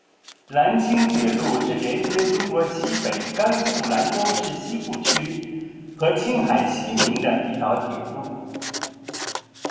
兰青铁路是连接中国西北甘肃兰州市西固区和青海西宁的一条铁路。